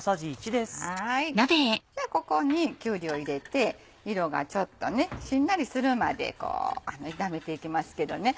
じゃあここにきゅうりを入れて色がちょっとしんなりするまで炒めていきますけどね。